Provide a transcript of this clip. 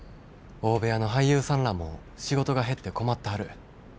大部屋の俳優さんらも仕事が減って困ったはる。